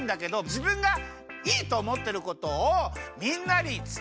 じぶんがいいとおもってることをみんなにつたえることです。